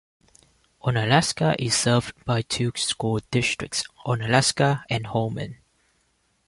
Onalaska is served by two school districts, Onalaska and Holmen.